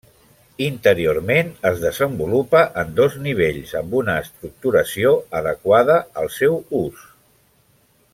Interiorment es desenvolupa en dos nivells amb una estructuració adequada al seu ús.